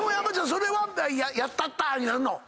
それはやったった！になるの？